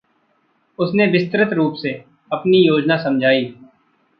उसने विस्तृत रूप से अपनी योजना समझाई।